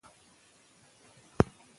هغوی د علم په لټه کې دي.